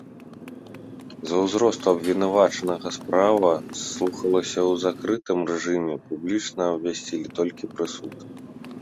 З-за ўзросту абвінавачанага справа слухалася ў закрытым рэжыме, публічна абвясцілі толькі прысуд.